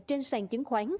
trên sàn chứng khoán